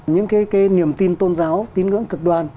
những cái niềm tin tôn giáo tin cưỡng cực đoan